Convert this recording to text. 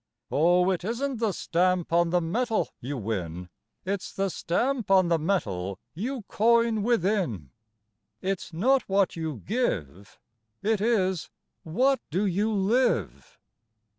Oh, it isn't the stamp on the metal you win; It's the stamp on the metal you coin within. It's not what you give; It is "What do you live?"